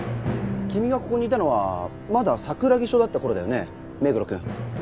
君がここにいたのはまだ桜木署だった頃だよね目黒くん。